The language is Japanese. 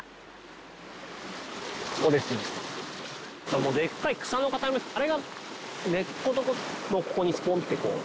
あのでっかい草の塊あれが根っこごとここにスポンってこう。